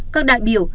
các đại biểu